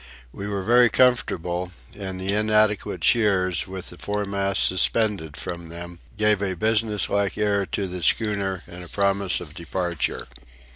We were very comfortable, and the inadequate shears, with the foremast suspended from them, gave a business like air to the schooner and a promise of departure.